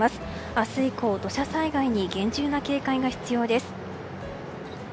明日以降、土砂災害に厳重な警戒が必要です。